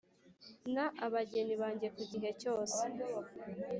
na abageni banjye ku gihe cyose.